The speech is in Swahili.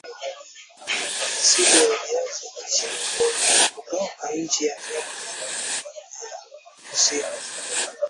Asili ya viazi lishe au bora ni kutoka nchi ya Amerika ya Kati na ya Kusini